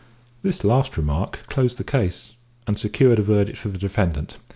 This last remark closed the case, and secured a verdict for the defendant.